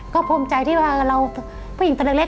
ก็ภูมิใจที่ว่าเราผู้หญิงตัวเล็ก